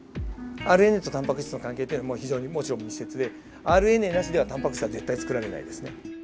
ＲＮＡとタンパク質の関係って非常にもちろん密接でＲＮＡなしではタンパク質は絶対に作られないですね。